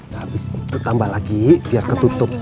nah habis itu tambah lagi biar ketutup